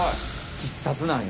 必殺なんや。